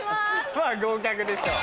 まぁ合格でしょう。